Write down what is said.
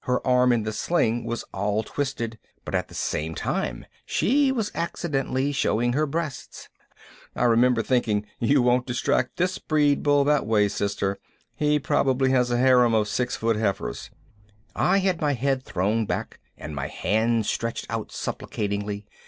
Her arm in the sling was all twisted, but at the same time she was accidently showing her breasts I remember thinking you won't distract this breed bull that way, sister, he probably has a harem of six foot heifers. I had my head thrown back and my hands stretched out supplicatingly.